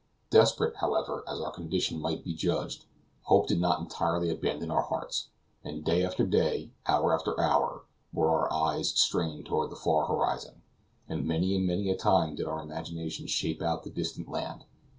Desperate, however, as our condition might be judged, hope did not entirely abandon our hearts, and day after day, hour after hour were our eyes strained toward the far horizon, and many and many a time did our imagination shape out the distant land.